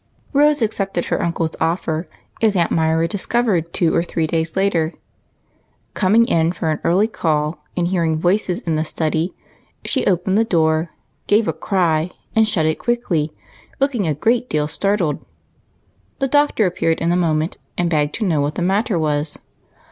ROSE accepted her uncle's offer, as Aunt Myra discovered two or three days later. Coming in for an early call, and hearing voices in the study, she opened the door, gave a cry and shut it quickly, looking a good deal startled. The Doctor appeared in a moment, and begged to know what the matter was.